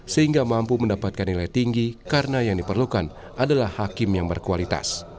sehingga mampu mendapatkan nilai tinggi karena yang diperlukan adalah hakim yang berkualitas